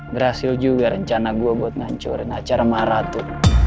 berhasil juga rencana gue buat ngancurin acara maratu